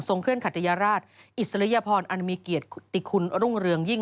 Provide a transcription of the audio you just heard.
เคลื่อนขัตยราชอิสริยพรอันมีเกียรติกุฏิคุณรุ่งเรืองยิ่ง